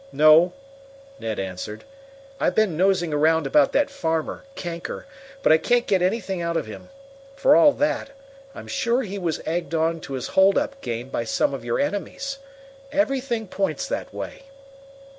"No," Ned answered. "I've been nosing around about that farmer, Kanker, but I can't get anything out of him. For all that, I'm sure he was egged on to his hold up game by some of your enemies. Everything points that way."